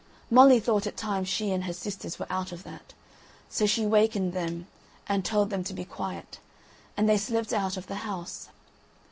Molly thought it time she and her sisters were out of that, so she wakened them and told them to be quiet, and they slipped out of the house.